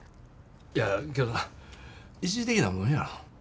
やけど一時的なもんやろ。